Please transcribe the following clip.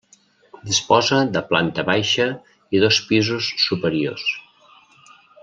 Disposa de planta baixa i dos pisos superiors.